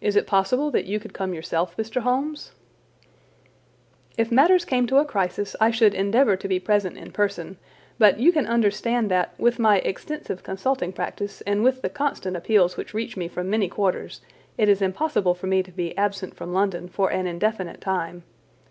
"Is it possible that you could come yourself, Mr. Holmes?" "If matters came to a crisis I should endeavour to be present in person; but you can understand that, with my extensive consulting practice and with the constant appeals which reach me from many quarters, it is impossible for me to be absent from London for an indefinite time.